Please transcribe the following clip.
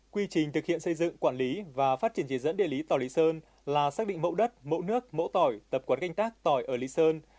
quy trình thực hiện xây dựng quản lý và phát triển chỉ dẫn địa lý tỏ lý sơn là xác định mẫu đất mẫu nước mẫu tỏi tập quán canh tác tỏi ở lý sơn